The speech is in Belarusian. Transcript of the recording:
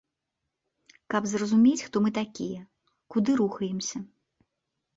Каб зразумець, хто мы такія, куды рухаемся.